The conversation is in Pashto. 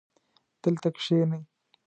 دلته کښېنئ